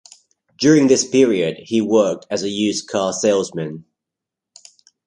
During this period he worked as a used car salesman.